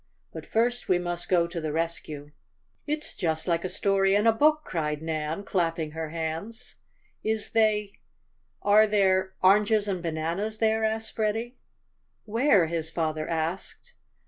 But first we must go to the rescue." "It's just like a story in a book!" cried Nan, clapping her hands. "Is they are there oranges and bananas there?" asked Freddie. "Where?" his father asked.